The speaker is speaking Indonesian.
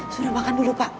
sudah makan dulu pak